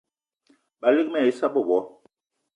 Balig mal ai issa bebo